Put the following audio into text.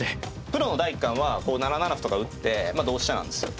プロの第一感は７七歩とか打って同飛車なんですよ。